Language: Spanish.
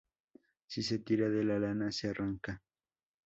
Si se tira de la lana se arranca.